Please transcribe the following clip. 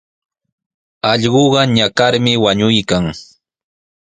Allquqa ñakarmi wañuykan.